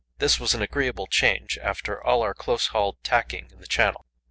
This was an agreeable change after all our close hauled tacking in the Channel.